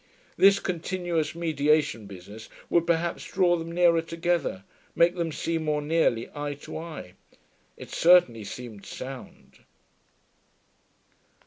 This continuous mediation business would perhaps draw them nearer together, make them see more nearly eye to eye. It certainly seemed sound.